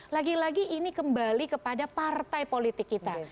lagi lagi ini kembali kepada partai politik kita